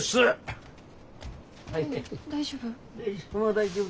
大丈夫？